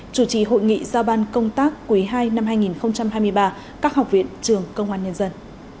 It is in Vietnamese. chủ trì hội nghị giao ban công tác quý ii năm hai nghìn hai mươi ba các học viện trường công an nhân dân